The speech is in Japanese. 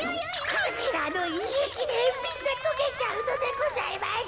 クジラのいえきでみんなとけちゃうのでございます。